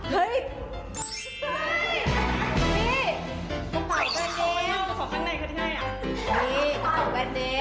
พี่จับมาพูดมาทักเชื่อสัตว์มีดีกร